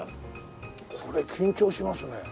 これ緊張しますね。